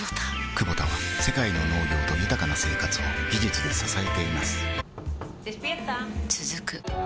クボタは世界の農業と豊かな生活を技術で支えています起きて。